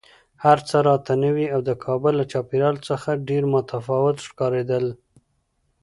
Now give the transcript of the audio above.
هر څه راته نوي او د کابل له چاپېریال څخه ډېر متفاوت ښکارېدل